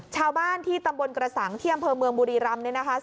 ชาวบ้านที่ตำบลกระสังเที่ยงอำเภอเมืองบุรีรัมพ์